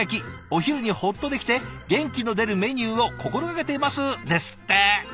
お昼にほっとできて元気の出るメニューを心がけています」ですって。